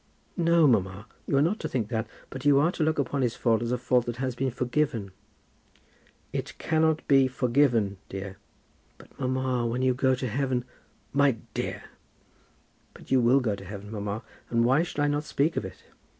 "No, mamma; you are not to think that; but you are to look upon his fault as a fault that has been forgiven." "It cannot be forgotten, dear." "But, mamma, when you go to heaven " "My dear!" "But you will go to heaven, mamma, and why should I not speak of it?